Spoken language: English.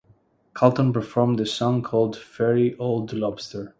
Coulton performed a song called Furry Old Lobster.